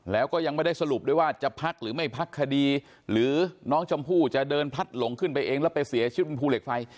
แล้วก็ยังไม่ได้สรุปด้วยว่าจะพักหรือไม่พักคดีหรือน้องชมพู่จะเดินพลัดหลงขึ้นไปเองแล้วไปเสียชีวิตบนภูเหล็กไฟ